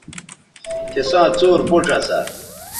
تِساں څور پوڇ اسا